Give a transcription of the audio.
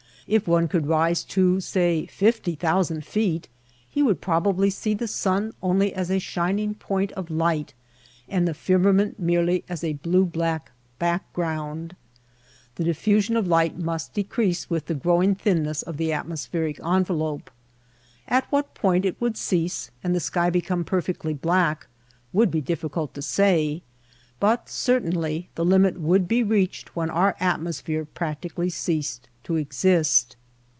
If one could rise to, say, fifty thousand feet, he would probably see the sun only as a shining point of light, and the firma ment merely as a blue black background. The diffusion of light must decrease with the grow ing thinness of the atmospheric envelope. At what point it would cease and the sky become perfectly black would be difficult to say, but certainly the limit would be reached when our atmosphere practically ceased to exist.